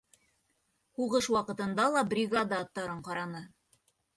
Һуғыш ваҡытында ла бригада аттарын ҡараны.